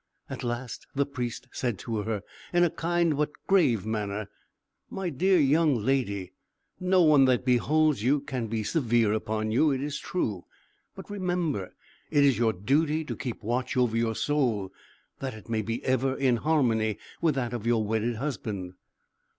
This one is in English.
At last the Priest said to her, in a kind but grave manner, "My dear young lady, no one that beholds you can be severe upon you, it is true; but remember, it is your duty to keep watch over your soul, that it may be ever in harmony with that of your wedded husband."